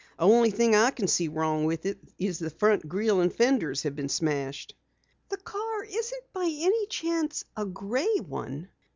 The only thing I can see wrong with it is that the front grill and fenders have been smashed." "The car isn't by chance a gray one?"